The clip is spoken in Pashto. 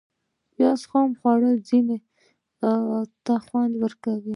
پیاز خام خوړل ځینو ته خوند ورکوي